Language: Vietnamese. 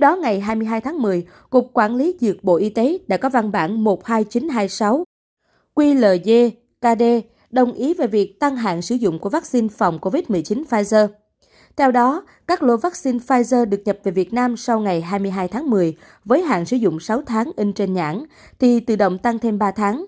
sau đó các lô vaccine pfizer được nhập về việt nam sau ngày hai mươi hai tháng một mươi với hạn sử dụng sáu tháng in trên nhãn thì tự động tăng thêm ba tháng